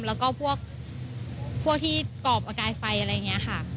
แล้วก็พวกที่กรอบประกายไฟอะไรอย่างนี้ค่ะ